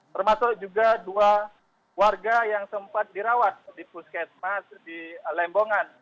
termasuk juga dua warga yang sempat dirawat di puskesmas di lembongan